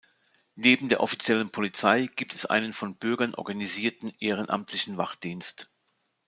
Neben der offiziellen Polizei gibt es einen von Bürgern organisierten ehrenamtlichen Wachdienst.